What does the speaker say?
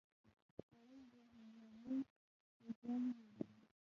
خوړل د هندوانې خوږوالی یادوي